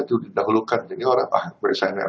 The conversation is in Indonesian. sudah didahulukan jadi orang paham saya enggak